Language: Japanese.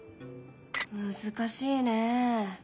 難しいね。